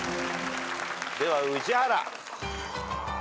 では宇治原。